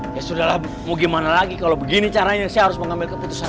ya sudah lah mau gimana lagi kalau begini caranya saya harus mengambil keputusan